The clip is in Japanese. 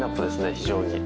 非常に。